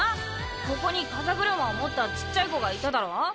ここにかざぐるまを持ったちっちゃい子がいただろ？